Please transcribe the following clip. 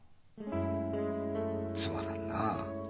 つまらんなあ。